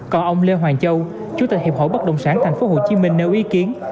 còn ông lê hoàng châu chủ tịch hiệp hội bất động sản thành phố hồ chí minh nêu ý kiến